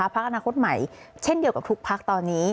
พักอนาคตใหม่เช่นเดียวกับทุกพักตอนนี้